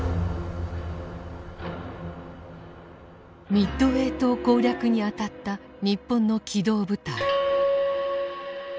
ミッドウェー島攻略にあたった日本の機動部隊。